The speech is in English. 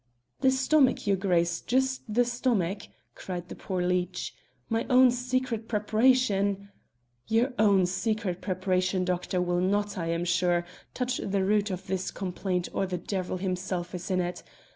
"The stomach, your Grace; just the stomach," cried the poor leech. "My own secret preparation " "Your own secret preparation, doctor, will not, I am sure, touch the root of this complaint or the devil himself is in it.